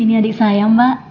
ini adik saya mbak